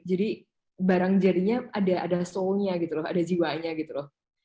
jadi barang jadinya ada soul nya gitu loh ada jiwanya gitu loh